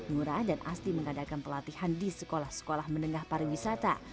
ngurah dan asti mengadakan pelatihan di sekolah sekolah menengah pariwisata